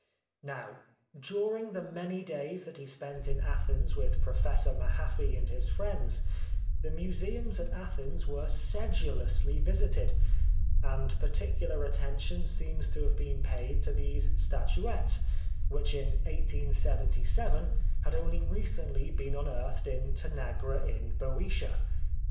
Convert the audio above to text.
Now, during the many days that he spent in Athens with Pro fessor Mahaffy and his friends, the Museums at Athens were sedulously visited, and particular attention seems to have been paid to these statuettes, which in 1877 had only recently been unearthed in Tanagra in Boeotia.